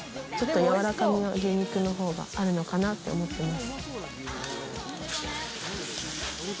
やわらかみは牛肉の方があるのかなって思います。